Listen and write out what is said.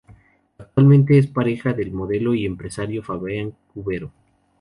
Actualmente es pareja del modelo y empresario Fabián Cubero.